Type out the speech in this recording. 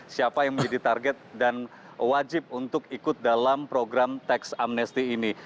siapa yang menjadi target dan wajib untuk ikut dalam program tax amnesti ini